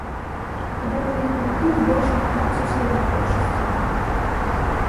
Гэта легкавікі збольшага французскай вытворчасці.